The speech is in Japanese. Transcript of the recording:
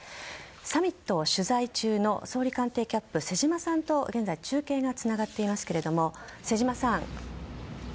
サミットを取材中の総理官邸キャップ瀬島さんと現在中継がつながっていますけども瀬島さん。